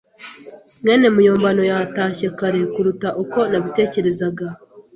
mwene muyombano yatashye kare kuruta uko nabitekerezaga.